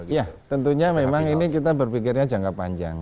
ya tentunya memang ini kita berpikirnya jangka panjang